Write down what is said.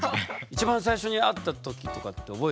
一番最初に会った時とかって覚えてますか？